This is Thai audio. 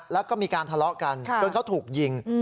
แล้วก็มีการทะเลาะกันจนเขาถูกยิง